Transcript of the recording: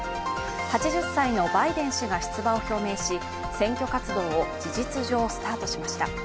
８０歳のバイデン氏が出馬を表明し、選挙活動を事実上スタートしました。